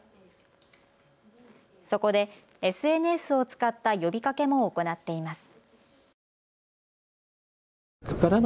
そこでＳＮＳを使った呼びかけも行っています。